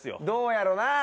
どうやろな？